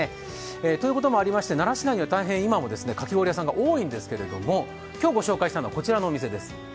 ということもありまして奈良市内には今でも大変かき氷屋さんが多いということなんですが今日御紹介したいのはこちらのお店です。